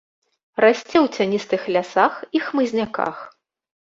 Расце ў цяністых лясах і хмызняках.